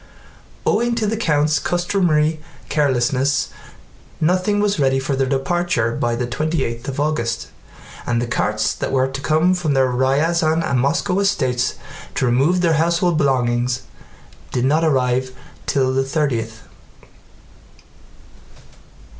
Owing to the count's customary carelessness nothing was ready for their departure by the twenty eighth of August and the carts that were to come from their Ryazán and Moscow estates to remove their household belongings did not arrive till the thirtieth.